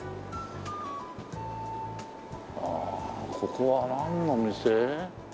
ああここはなんの店？